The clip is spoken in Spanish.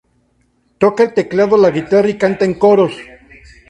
Toca el teclado la guitarra y canta coros.